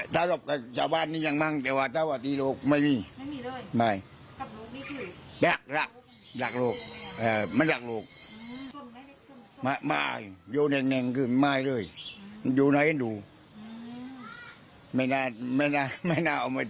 ตอนนี้คือว่าถ้าเกิดออกไปคือคนก็มองแม่ไม่ดี